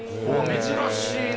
珍しいね。